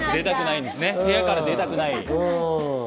部屋から出たくない。